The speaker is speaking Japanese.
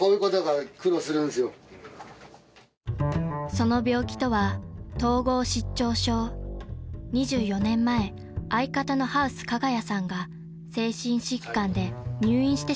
［その病気とは統合失調症］［２４年前相方のハウス加賀谷さんが精神疾患で入院してしまったのです］